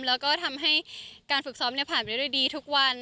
แล้วก็ทำให้การฝึกซ้อมผ่านไปด้วยดีทุกวัน